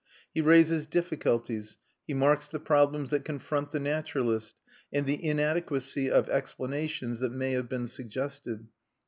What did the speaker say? He raises difficulties, he marks the problems that confront the naturalist, and the inadequacy of explanations that may have been suggested.